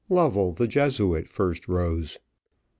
Lovell, the Jesuit, first rose.